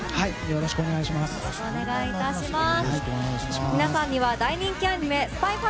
よろしくお願いします。